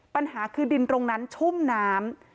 ปัญหาคือดินตรงนั้นชุ่มน้ำ